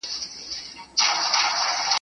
زړه زړه ته لار لري.